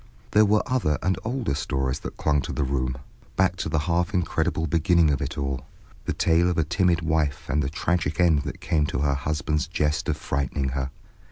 There were other and older stories that clung to the room, back to the half incredible beginning of it all, the tale of a timid wife and the tragic end that came to her husband's jest of frightening her.